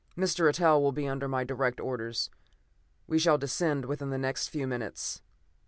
Mr. Eitel will be under my direct orders. We shall descend within the next few minutes."